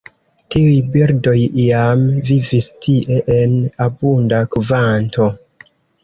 Tiuj birdoj iam vivis tie en abunda kvanto.